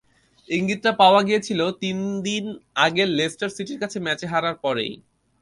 ইঙ্গিতটা পাওয়া গিয়েছিল তিন দিন আগের লেস্টার সিটির কাছে ম্যাচে হারার পরেই।